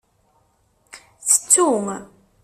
Tettu.